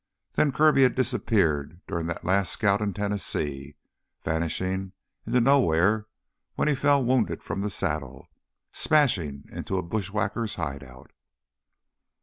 Then Kirby had disappeared during that last scout in Tennessee, vanishing into nowhere when he fell wounded from the saddle, smashing into a bushwhackers' hideout.